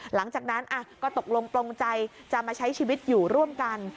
หลังจากนั้นก็ตกลงปลงใจจะมาใช้ชีวิตอยู่ร่วมกัน